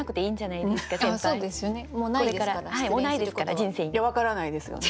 いや分からないですよね。